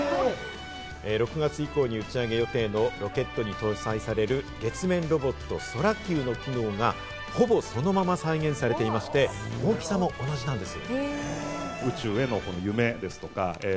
６月以降に打ち上げ予定のロケットに搭載される月面ロボット・ＳＯＲＡ−Ｑの機能がほぼそのまま再現されていまして、大きさも同じなんです。